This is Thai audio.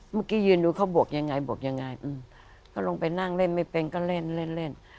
เมื่อกี้ยืนดูเขาบวกยังไงบวกยังไงก็ลงไปนั่งเล่นไม่เป็นก็เล่นเล่น